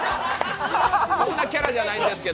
そんなキャラじゃないんです。